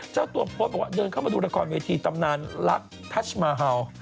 เจ้าตัวโพสต์บอกว่าเดินเข้ามาดูละครเวทีตำนานรักทัชมาฮาว